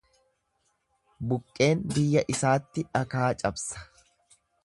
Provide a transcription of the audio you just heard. Buqqeen biyya isaatti dhakaa cabsa.